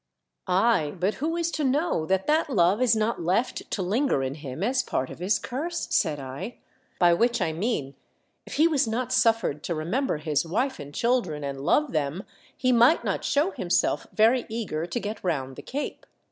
Ay, but who is to know that that love is not left to linger in him as a part of his curse?" said I. " By which I mean, if he was not suffered to remember his wife and children and love them, he might not show himself very eager to get round the Cape.